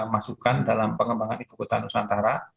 masukkan dalam pengembangan ibu kota nusantara